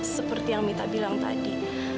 seperti yang mita bilang tadi